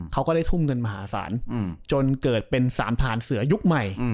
เขาก็ได้ทุ่มเงินมหาศาลจนเกิดเป็นสามฐานเสือยุคใหม่